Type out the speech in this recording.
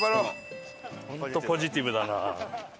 ホントポジティブだな。